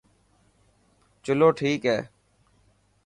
چلو ٺيڪ هي.